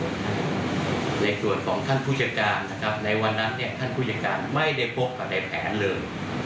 ในวันนั้นท่านผู้จัดการไม่ได้พบกับในแผนเลย